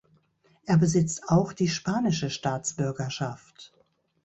Er besitzt auch die spanische Staatsbürgerschaft.